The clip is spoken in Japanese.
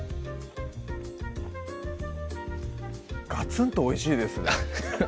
ガツンとおいしいですねあっ